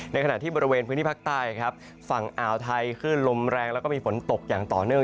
ขณะที่บริเวณพื้นที่ภาคใต้ครับฝั่งอ่าวไทยขึ้นลมแรงแล้วก็มีฝนตกอย่างต่อเนื่อง